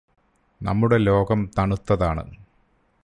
നമ്മുടെ ലോകം തണുത്തതാണ്